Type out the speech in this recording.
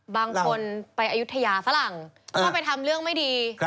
บางคนไปอายุทยาฝรั่งก็ไปทำเรื่องไม่ดี